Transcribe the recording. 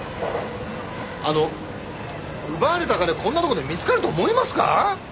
あの奪われた金こんなところで見つかると思いますか？